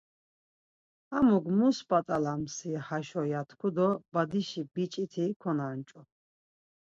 Hamuk mu spat̆alams haşo ya tku do Badişi biç̌iti konanç̌u.